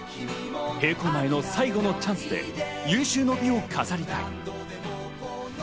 閉校前の最後のチャンスで有終の美を飾りたい。